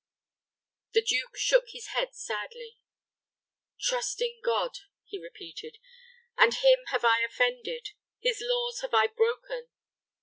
The duke shook his head sadly. "Trust in God!" he repeated, "and him have I offended. His laws have I broken.